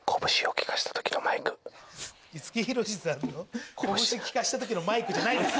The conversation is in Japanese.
五木ひろしさんのこぶしきかせた時のマイクじゃないです。